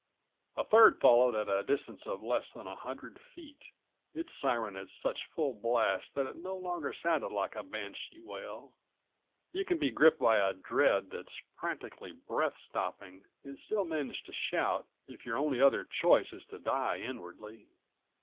A third followed it at a distance of less than a hundred feet, its siren at such full blast that it no longer sounded like a banshee wail. You can be gripped by a dread that's practically breath stopping and still manage to shout, if your only other choice is to die inwardly.